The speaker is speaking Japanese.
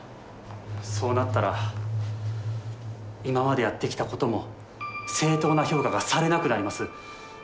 そうなったら、今までやってきたことも、正当な評価がされなくなります。